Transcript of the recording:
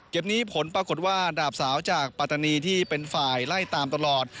นี้ผลปรากฏว่าดาบสาวจากปัตตานีที่เป็นฝ่ายไล่ตามตลอด